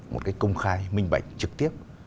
một cách công khai minh bạch trực tiếp